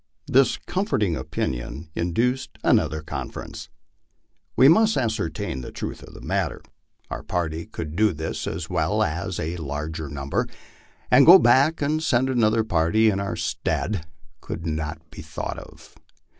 This comforting opinion induced an other conference. Wo must ascertain the truth of the matter ; our party could SO MY LIFE ON THE PLAINS. do this as well as a larger number, and to go back and send another party in our stead could not be thought of.